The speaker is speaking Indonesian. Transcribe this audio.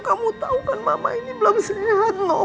kamu tahu kan mama ini belum sehat noh